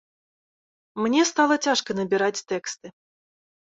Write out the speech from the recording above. Мне стала цяжка набіраць тэксты.